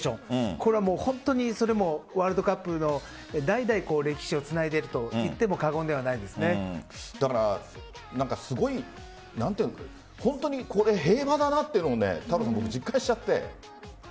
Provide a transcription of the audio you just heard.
これは本当にワールドカップの代々歴史をつないでいるといっても本当に平和だなというのを実感しちゃって。